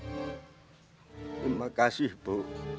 terima kasih bu